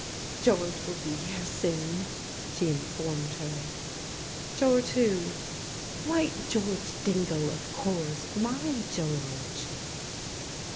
" George will be here soon," she informed hen " George who ?"" Why, George Dingle, of course — my George."